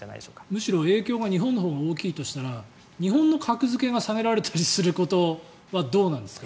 むしろ、影響が日本のほうが大きいとしたら日本の格付けが下げられたりすることはどうなんですか？